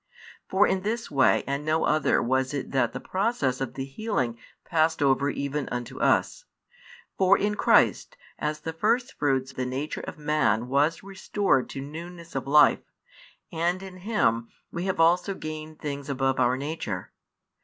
For in this way and no other was it that the process of the healing passed over |151 even unto us. For in Christ as the firstfruits the nature of man was restored to newness of life, and in Him we have also gained things above our nature.